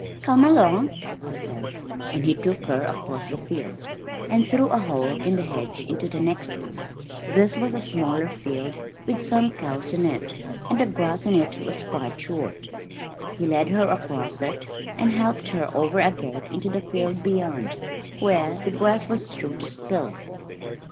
"Come along," he said, and he took her across the field, and through a hole in the hedge into the next one. This was a smaller field with some cows in it, and the grass in it was quite short. He led her across it, and helped her over a gate into the field beyond, where the grass was shorter still.